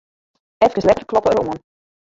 Efkes letter kloppe er oan.